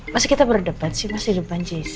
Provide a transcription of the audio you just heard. masa kita berdebat sih masa di depan jessy